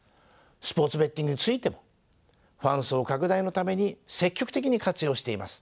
スポーツベッティングについてもファン層拡大のために積極的に活用しています。